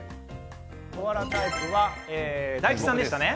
コアラタイプは大吉さんでしたね。